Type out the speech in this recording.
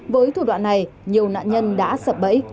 với thủ đoạn này nhiều nạn nhân đã sập bẫy